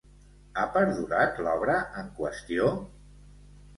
Ha perdurat l'obra en qüestió?